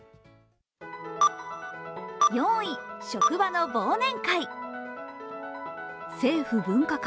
４位、職場の忘年会。